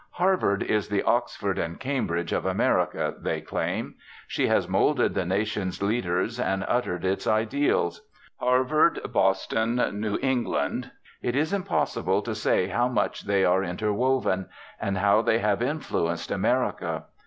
Harvard is the Oxford and Cambridge of America, they claim. She has moulded the nation's leaders and uttered its ideals. Harvard, Boston, New England, it is impossible to say how much they are interwoven, and how they have influenced America.